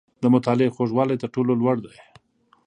• د مطالعې خوږوالی، تر ټولو لوړ دی.